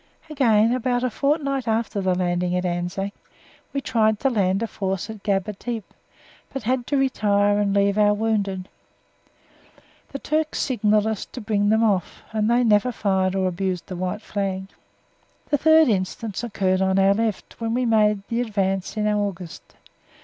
Again, about a fortnight after the landing at Anzac, we tried to land a force at Gaba Tepe, but had to retire and leave our wounded. The Turks signalled us to bring them off, and then they never fired or abused the white flag. The third instance occurred on our left, when we made the advance in August.